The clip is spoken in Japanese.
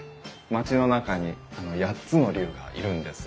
町の中に８つの竜がいるんです。